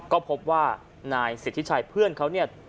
ก็พบว่านายสิทธิชัยเพื่อนเขาเนี่ย